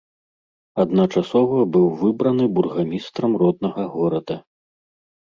Адначасова быў выбраны бургамістрам роднага горада.